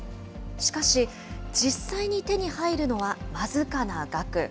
しかし、実際に手に入るのは、僅かな額。